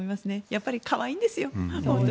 やっぱり可愛いんですよ。